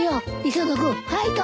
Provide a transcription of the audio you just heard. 磯野君ファイト！